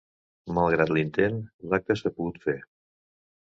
Malgrat l’intent, l’acte s’ha pogut fer.